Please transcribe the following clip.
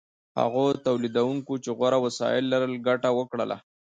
هغو تولیدونکو چې غوره وسایل لرل ګټه وکړه.